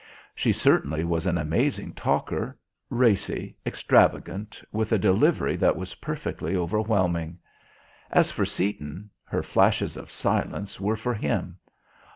She certainly was an amazing talker racy, extravagant, with a delivery that was perfectly overwhelming. As for Seaton her flashes of silence were for him.